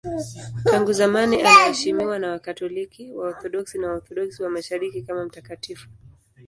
Tangu zamani anaheshimiwa na Wakatoliki, Waorthodoksi na Waorthodoksi wa Mashariki kama mtakatifu.